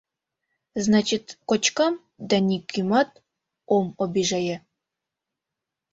Значит, кочкам да нигӧмат ом обижае.